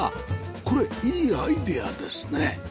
これいいアイデアですね